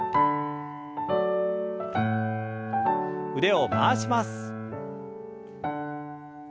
腕を回します。